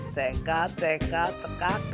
cekat cekat cekat